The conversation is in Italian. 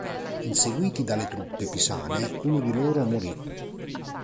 Inseguiti dalle truppe pisane, uno di loro morì.